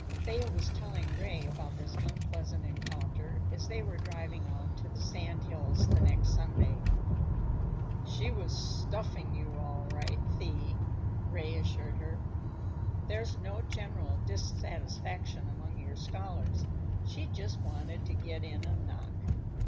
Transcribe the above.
Thea was telling Ray about this unpleasant encounter as they were driving out to the sand hills the next Sunday. "She was stuffing you, all right, Thee," Ray reassured her. "There's no general dissatisfaction among your scholars. She just wanted to get in a knock.